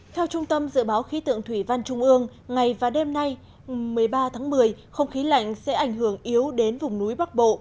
theo trung tâm dự báo khí tượng thủy văn trung ương ngày và đêm nay một mươi ba tháng một mươi không khí lạnh sẽ ảnh hưởng yếu đến vùng núi bắc bộ